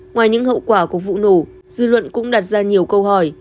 ngoài những hậu quả của vụ nổ dư luận cũng đặt ra nhiều câu hỏi